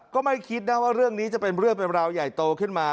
ก็ไม่คิดนะว่าเรื่องนี้จะเป็นเรื่องเป็นราวใหญ่โตขึ้นมา